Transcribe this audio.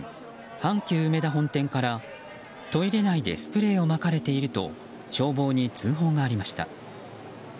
阪急うめだ本店から、トイレ内でスプレーをまかれていると消防に通報がありました。